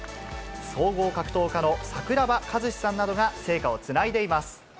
総合格闘家の桜庭和志さんなどが聖火をつないでいます。